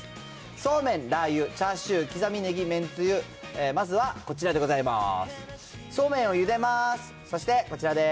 そうめん、ラー油、チャーシュー、刻みネギ、めんつゆ、まずはこちらでございます。